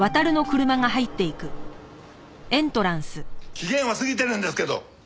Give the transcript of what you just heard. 期限は過ぎてるんですけど！